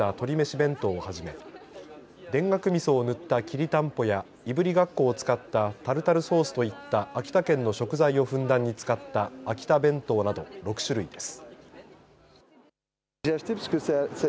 弁当をはじめ田楽みそを塗ったきりたんぽやいぶりがっこを使ったタルタルソースといった秋田県の食材をふんだんに使った秋田弁当など６種類です。